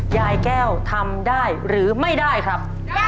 ยายแก้วทำได้หรือไม่ได้ครับ